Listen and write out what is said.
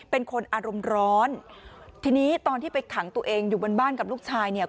เป็นคนอารมณ์ร้อนทีนี้ตอนที่ไปขังตัวเองอยู่บนบ้านกับลูกชายเนี่ย